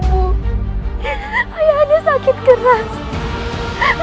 apakah kita tak dapat p lowered suara sama